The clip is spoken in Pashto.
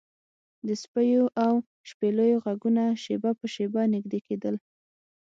د سپیو او شپېلیو غږونه شیبه په شیبه نږدې کیدل